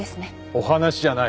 お話じゃない。